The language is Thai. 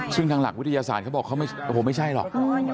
ซึ่งทางหลักวิทยาศาสตร์เขาบอกเขาโอ้โหไม่ใช่หรอก